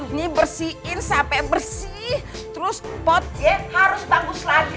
ini bersihin sampe bersih terus pot ya harus bagus lagi